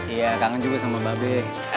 iya kangen juga sama mbak be